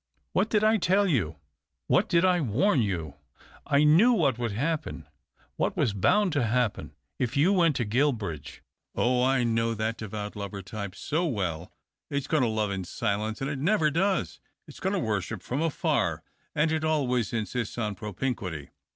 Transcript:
"What did I tell you ? What did I warn you ? I knew what would happen — what was bound to happen — if you went to Guilbridge. Oh I know that devout lover type so well ! It's going to love in silence, and it never does. It's going to worship from afar, and it always insists on propinquity.